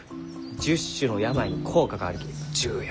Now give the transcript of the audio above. １０種の病に効果があるき十薬。